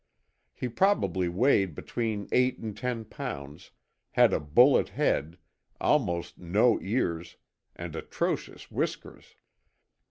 He probably weighed between eight and ten pounds, had a bullet head, almost no ears, and atrocious whiskers.